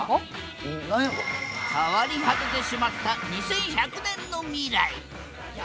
変わり果ててしまった２１００年の未来。